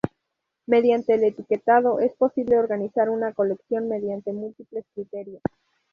Mediante el etiquetado es posible organizar una colección mediante múltiples criterios.